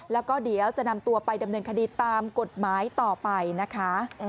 แล้วก็เดี๋ยวจะนำตัวไปดำเนินคดีตามกฎหมายต่อไปนะคะ